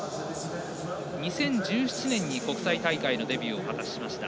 ２０１７年に国際大会のデビューを果たしました。